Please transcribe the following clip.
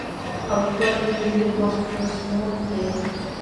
او ليکوال ئې William Mastrosimoneدے.